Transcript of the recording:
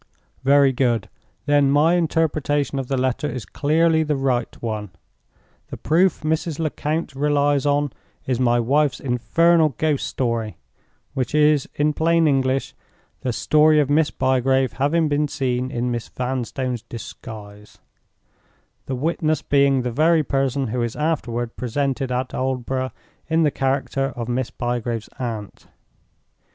"Very good. Then my interpretation of the letter is clearly the right one. The proof Mrs. Lecount relies on is my wife's infernal ghost story—which is, in plain English, the story of Miss Bygrave having been seen in Miss Vanstone's disguise; the witness being the very person who is afterward presented at Aldborough in the character of Miss Bygrave's aunt.